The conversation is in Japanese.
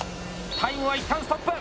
タイムは、いったんストップ！